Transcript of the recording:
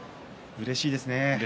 うれしいですね。